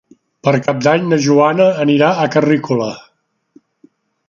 Per Cap d'Any na Joana anirà a Carrícola.